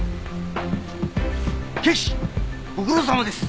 ご苦労さまです。